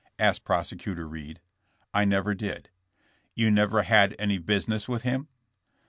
asked Prose cutor Reed. "I never did." You never had any business with him?"